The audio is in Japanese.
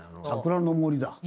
桜の森だ。